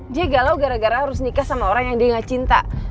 dia galau gara gara harus nikah sama orang yang dia gak cinta